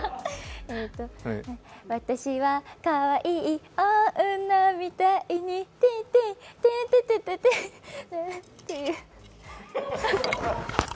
私はかわいい女みたいに、テンテン、テンテテテテンみたいに。